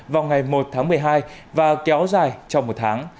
vào ngày một tháng một mươi hai và kéo dài trong một tháng